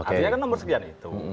artinya kan nomor sekian itu